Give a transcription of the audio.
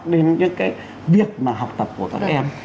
nên những cái việc mà học tập của các em